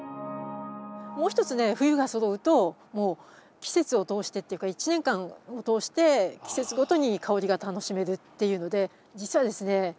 もう一つね冬がそろうともう季節を通してっていうか一年間を通して季節ごとに香りが楽しめるっていうのでじつはですね